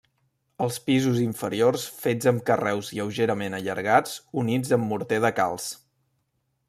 Els pisos inferiors fets amb carreus lleugerament allargats units amb morter de calç.